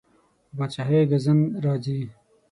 په پادشاهۍ ګزند راځي.